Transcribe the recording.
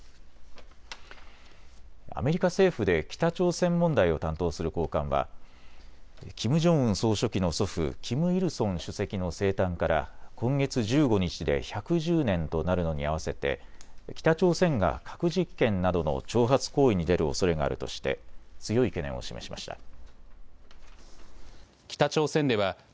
アメリカ政府で北朝鮮問題を担当する高官はキム・ジョンウン総書記の祖父、キム・イルソン主席の生誕から今月１５日で１１０年となるのに合わせて北朝鮮が核実験などの挑発行為に出るおそれがあるとして強い懸念を示しました。